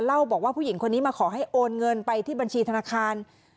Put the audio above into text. เล่าบอกว่าผู้หญิงคนนี้มาขอให้โอนเงินไปที่บัญชีธนาคาร